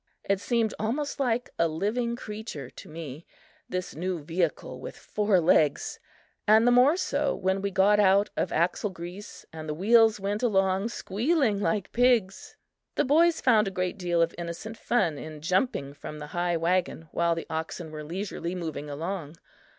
It seemed almost like a living creature to me, this new vehicle with four legs, and the more so when we got out of axle grease and the wheels went along squealing like pigs! The boys found a great deal of innocent fun in jumping from the high wagon while the oxen were leisurely moving along.